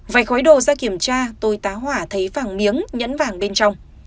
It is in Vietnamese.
vậy gói đổ ra kiểm tra tôi tá hỏa thấy vàng miếng nhẫn vàng bên trong